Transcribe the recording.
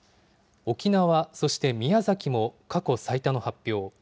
沖縄、そして宮崎も過去最多の発表。